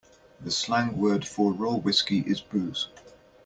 The slang word for raw whiskey is booze.